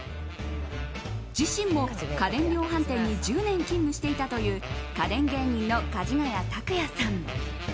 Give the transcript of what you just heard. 自身も家電量販店に１０年勤務していたという家電芸人のかじがや卓哉さん。